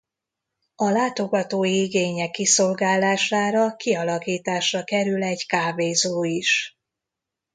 A látogatói igények kiszolgálására kialakításra kerül egy kávézó is.